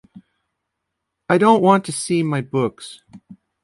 I don't want to see my books.